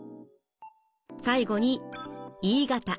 最後にＥ型。